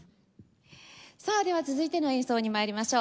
さあでは続いての演奏に参りましょう。